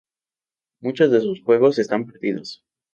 Muchos de sus juegos están perdidos.